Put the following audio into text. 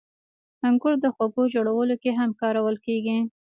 • انګور د خوږو جوړولو کې هم کارول کېږي.